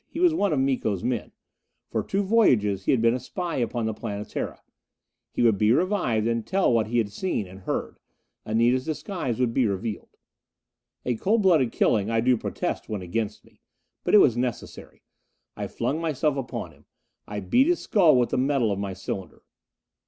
He was one of Miko's men: for two voyages he had been a spy upon the Planetara. He would be revived and tell what he had seen and heard. Anita's disguise would be revealed. A cold blooded killing I do protest went against me. But it was necessary. I flung myself upon him. I beat his skull with the metal of my cylinder.